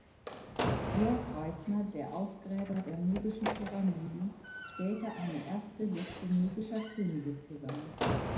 George Reisner, der Ausgräber der nubischen Pyramiden, stellte eine erste Liste nubischer Könige zusammen.